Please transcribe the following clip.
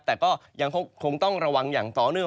แต่ก็ยังคงต้องระวังอย่างต่อเนื่อง